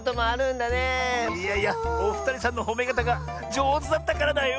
いやいやおふたりさんのほめかたがじょうずだったからだよ！